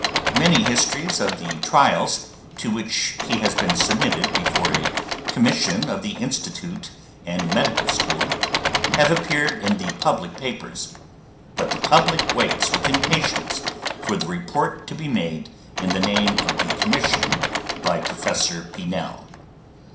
Many histories of the trials to which he has been submitted before a Commission of the Institute and Medical School, have appeared in the public papers; but the public waits with impatience for the report to be made in the name of the Commission by Professor Pinel.